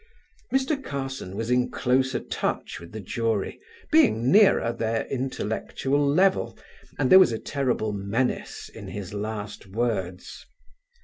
Mr. Carson was in closer touch with the jury, being nearer their intellectual level, and there was a terrible menace in his last words.